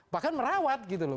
bahkan merawat gitu loh